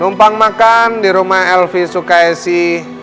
numpang makan di rumah elvi sukaisi